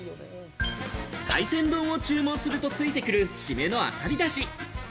海鮮丼を注文するとついてくる、締めのアサリ出汁。